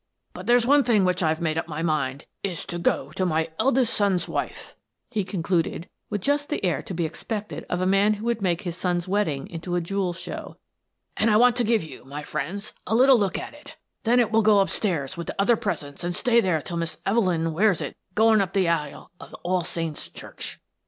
But there's one thing* which I've made up my mind is to go to my eldest son's wife," he con cluded, with just the air to be expected of a man who would make his son's wedding into a jewel show, "and I want to give you, my friends, a little look at it Then it will go up stairs with the other presents and stay there till Miss Evelyn wears it going up the aisle of All Saints' Church."